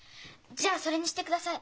じゃあそれにしてください！